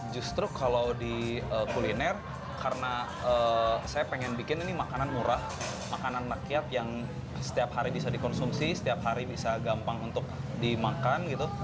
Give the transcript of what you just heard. justru kalau di kuliner karena saya pengen bikin ini makanan murah makanan rakyat yang setiap hari bisa dikonsumsi setiap hari bisa gampang untuk dimakan gitu